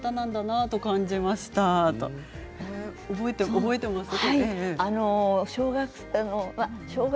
覚えていますか。